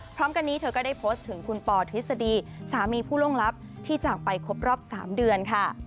พร้อมกันนี้เธอก็ได้โพสต์ถึงคุณปอทฤษฎีสามีผู้ล่วงลับที่จากไปครบรอบ๓เดือนค่ะ